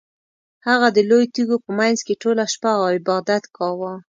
هغه د لویو تیږو په مینځ کې ټوله شپه عبادت کاوه.